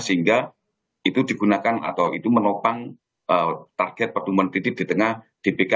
sehingga itu digunakan atau itu menopang target pertumbuhan kredit di tengah dpk